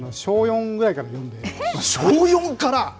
小４から？